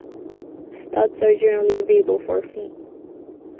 Studs are generally available for a fee.